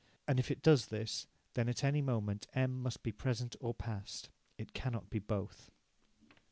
And if it does this, then at any moment M must be present or past. It cannot be both.